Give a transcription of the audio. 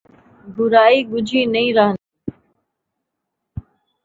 برائی ڳجھی نئیں رہندی